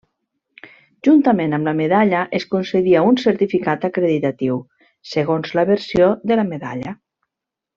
Juntament amb la medalla es concedia un certificat acreditatiu, segons la versió de la medalla.